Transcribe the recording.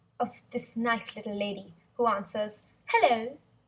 Of this nice little lady who answers—"Hello!"